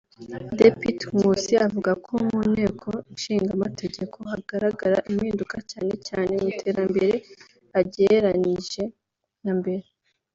Depite Nkusi avuga ko mu nteko ishinga amategeko hagaragara impinduka cyane cyane mu iterambere agereranije na mbere